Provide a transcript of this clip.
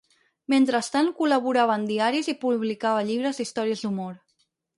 Mentrestant, col·laborava en diaris i publicava llibres d'històries d'humor.